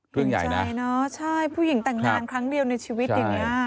เพิ่งใจนะใช่ผู้หญิงแต่งงานครั้งเดียวในชีวิตอย่างนี้